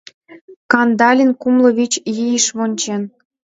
Кандалин кумло вич ийыш вончен.